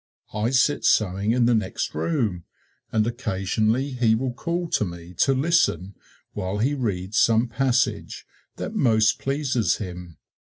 I sit sewing in the next room, and occasionally he will call to me to listen while he reads some passage that most pleases him.